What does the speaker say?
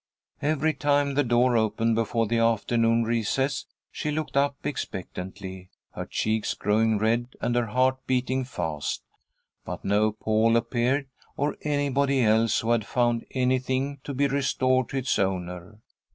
Every time the door opened before the afternoon recess she looked up expectantly, her cheeks growing red and her heart beating fast. But no Paul appeared, or anybody else who had found anything to be restored to its owner.